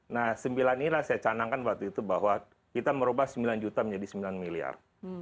nah sembilan inilah saya canangkan waktu itu bahwa kita merubah sembilan juta menjadi sembilan miliar